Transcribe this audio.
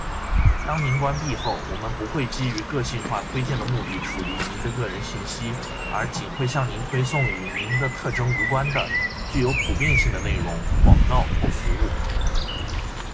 当您关闭后，我们不会基于个性化推荐的目的处理您的个人信息，而仅会向您推送与您的特征无关的、具有普遍性的内容、广告或服务。